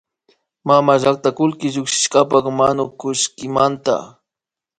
Mamallakta kullki llukshishkapak manukullkimanta